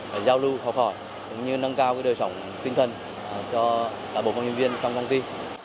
để giao lưu khó khỏi cũng như nâng cao cái đời sống tinh thần cho cả bộ công nhân viên trong công ty